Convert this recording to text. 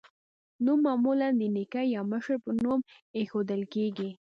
نوم معمولا د نیکه یا مشر په نوم ایښودل کیږي.